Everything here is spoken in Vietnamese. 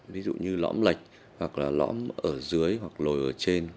ví dụ như lõng lệch hoặc là lõng ở dưới hoặc lồi ở trên